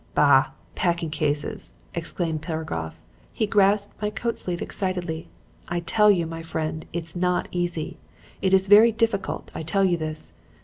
"'Bah! Packing cases!' exclaimed Piragoff. He grasped my coat sleeve excitedly. 'I tell you, my friend, it is not easy. It is very difficult. I tell you this.